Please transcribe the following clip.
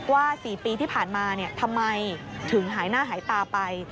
๔ปีที่ผ่านมาทำไมถึงหายหน้าหายตาไป